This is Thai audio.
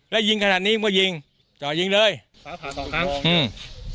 แล้วยิงขนาดนี้ก็ยิงจอดยิงเลยขาผ่านต่อทางอืม